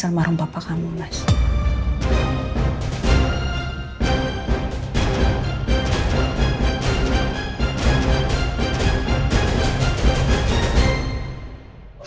sama rumpah kamu nash